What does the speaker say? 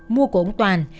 mua thuốc về uống